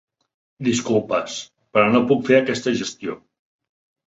Disculpes, però no puc fer aquesta gestió.